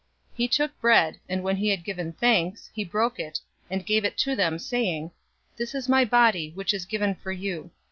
022:019 He took bread, and when he had given thanks, he broke it, and gave to them, saying, "This is my body which is given for you.